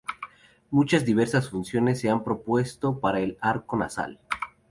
Muchas diversas funciones se han propuesto para el arco nasal.